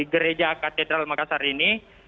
gereja katedral makassar ini